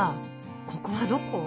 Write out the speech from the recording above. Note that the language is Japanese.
ここはどこ？